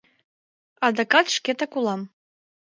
Адакат шкетак улам.